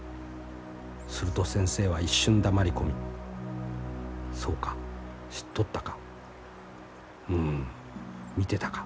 すると先生は一瞬黙り込み『そうか知っとったかうん見てたか』。